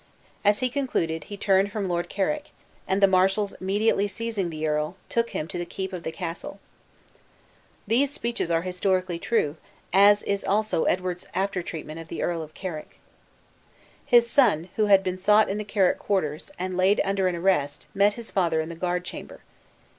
As he concluded he turned from Lord Carrick; and the marshals immediately seizing the earl, took him to the keep of the castle. These speeches are historically true; as is also Edward's after treatment of the Earl of Carrick. His son, who had been sought in the Carrick quarters, and laid under an arrest, met his father in the guard chamber.